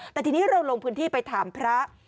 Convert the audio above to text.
แต่ทีนี้เราลงพื้นที่ไปถามพระ